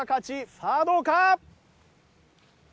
さあどうか？